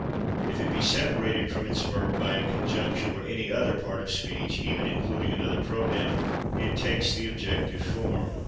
If it be separated from its verb by a conjunction or any other part of speech, even including another pronoun, it takes the objective form.